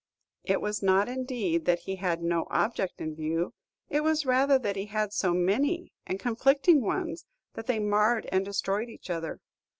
It was not, indeed, that he had no object in view. It was rather that he had so many and conflicting ones that they marred and destroyed each other.